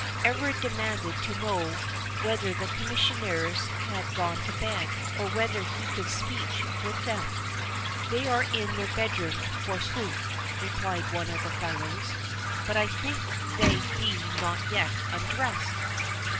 Everard demanded to know whether the Commissioners had gone to bed, or whether he could get speech with them? "They are in their bedroom, forsooth," replied one of the fellows; "but I think they be not yet undressed."